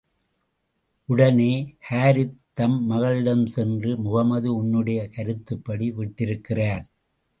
உடனே ஹாரித் தம் மகளிடம் சென்று, முஹம்மது உன்னுடைய கருத்துப்படி விட்டிருக்கிறார்.